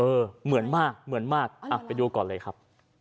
เหมือนมากเหมือนมากอ่ะไปดูก่อนเลยครับ